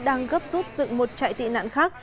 đang gấp rút dựng một chạy tị nạn khác